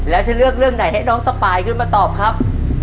แล้วจะเลือกเรื่องไหนให้น้องสปายขึ้นมาตอบครับ